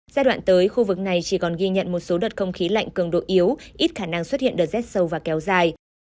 giai đoạn tới khu vực này chỉ còn ghi nhận một số đợt không khí lạnh cường độ yếu ít khả năng xuất hiện đợt rét sâu và kéo dài